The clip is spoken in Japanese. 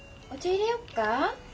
いれよっか？